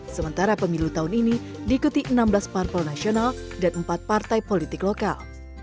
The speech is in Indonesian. sementara pemilu tahun ini diikuti enam belas parpol nasional dan empat partai politik lokal